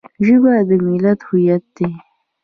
ژبه د ملت هویت دی